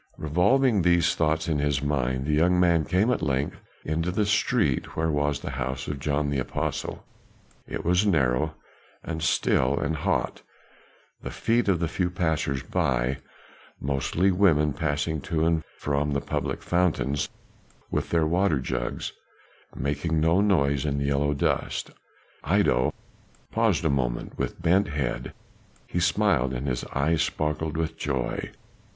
Revolving these thoughts in his mind, the young man came at length into the street where was the house of John the apostle. It was narrow, and still, and hot; the feet of the few passers by mostly women passing to and from the public fountains with their water jars making no noise in the yellow dust. Iddo paused a moment with bent head; he smiled, and his eyes sparkled with joy.